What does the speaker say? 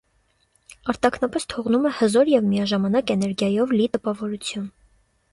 Արտաքնապես թողնում է հզոր և միաժամանակ էներգիայով լի տպավորություն։